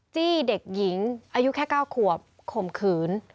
จี้เด็กหญิงอายุแค่๙ขวบข่มขืน